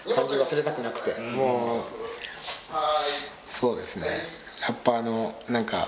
そうですね